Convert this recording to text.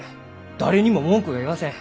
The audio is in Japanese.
誰にも文句は言わせん。